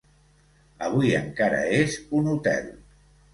Avui encara és un hotel.